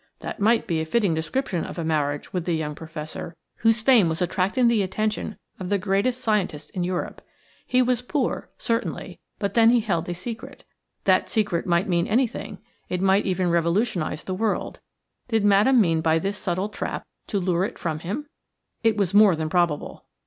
That might be a fitting description of a marriage with the young Professor, whose fame was attracting the attention of the greatest scientists in Europe. He was poor, certainly – but then he held a secret. That secret might mean anything – it might even revolutionize the world. Did Madame mean by this subtle trap to lure it from him? It was more than probable.